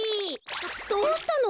どうしたの？